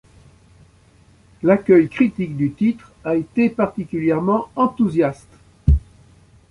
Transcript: L'accueil critique du titre a été particulièrement enthousiaste.